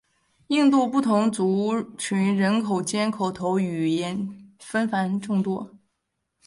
印度不同族群人口间口头语言纷繁众多。